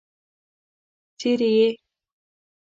څرې يې؟